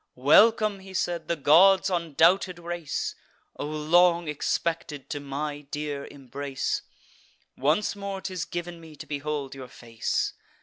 "Welcome," he said, "the gods' undoubted race! O long expected to my dear embrace! Once more 'tis giv'n me to behold your face!